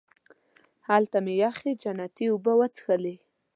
هلته مې یخې جنتي اوبه وڅښلې.